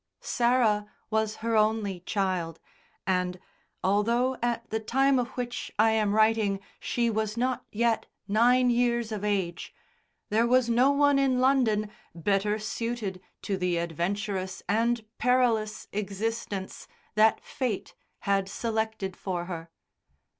Sarah was her only child, and, although at the time of which I am writing she was not yet nine years of age, there was no one in London better suited to the adventurous and perilous existence that Fate had selected for her.